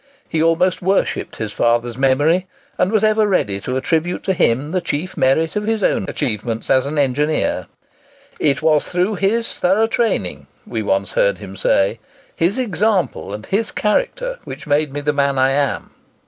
He almost worshipped his father's memory, and was ever ready to attribute to him the chief merit of his own achievements as an engineer. "It was his thorough training," we once heard him say, "his example, and his character, which made me the man I am."